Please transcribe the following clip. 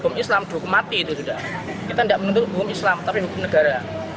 kita tidak menuntut hukum islam tapi hukum negara